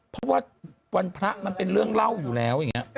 เพราะว่าวันพระมันเป็นเรื่องเล่าอยู่แล้ว